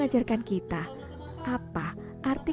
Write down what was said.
kehidupan memang tidak selamanya